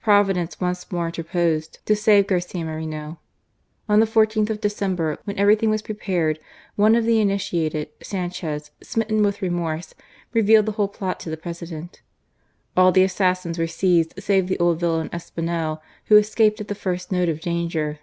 Providence once more inter posed to save Garcia Moreno. On the 14th of December, when everything was prepared, one of the initiated, Sanchez, smitten with remorse, re vealed the whole plot to the President. All the assassins were seized save the old villain, Espinel, who escaped at the first note of danger.